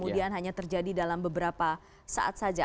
dan hanya terjadi dalam beberapa saat saja